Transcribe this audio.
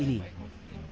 tim liputan cnn indonesia